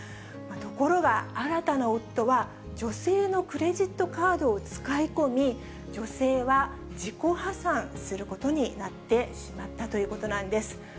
ところが、新たな夫は、女性のクレジットカードを使い込み、女性は自己破産することになってしまったということなんです。